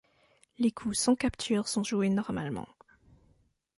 Les coups sans capture sont joués normalement.